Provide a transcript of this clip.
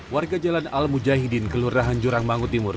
warga jalan al mujahidin kelurahan jurang banggu timur